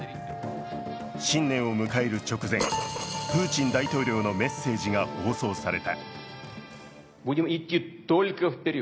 新年を迎える直前、プーチン大統領のメッセージが放送された。